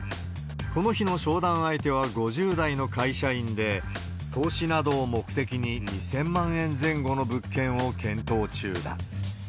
この日の商談相手は５０代の会社員で、投資などを目的に２０００万円前後の物件を検討中だ。